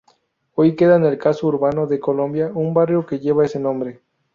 Hoy queda en el caso urbano de Colombia un barrio que lleva ese nombre.